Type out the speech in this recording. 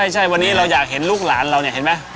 ใช่วันนี้เราอยากเห็นลูกหลานเราเนี่ยเห็นไหม